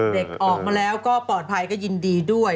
เด็กออกมาแล้วก็ปลอดภัยก็ยินดีด้วย